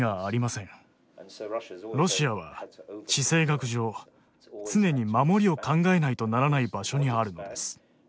ロシアは地政学上常に守りを考えないとならない場所にあるのです。